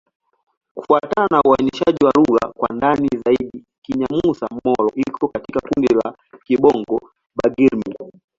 Kufuatana na uainishaji wa lugha kwa ndani zaidi, Kinyamusa-Molo iko katika kundi la Kibongo-Bagirmi.